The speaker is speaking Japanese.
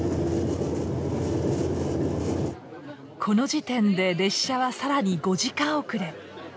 この時点で列車は更に５時間遅れ。